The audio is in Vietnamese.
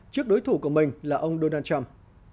trước đối thủ của mình là ông donald trump